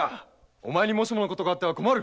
お前にもしもの事があっては困る！